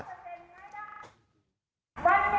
ใจเย็นฝากบอกผู้ปกครองกลับไปด้วยนะคะว่า